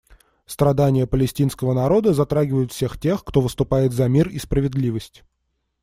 Страдания палестинского народа затрагивают всех тех, кто выступает за мир и справедливость.